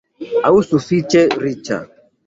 aŭ sufiĉe riĉa?